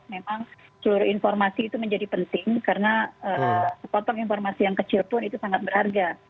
memang seluruh informasi itu menjadi penting karena sepotong informasi yang kecil pun itu sangat berharga